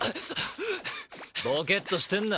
ボケッとしてんな